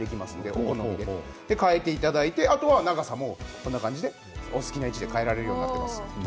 お好みで変えていただいて長さもこんな感じでお好きな位置で変えられるようになっています。